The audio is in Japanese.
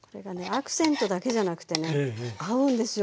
アクセントだけじゃなくてね合うんですよ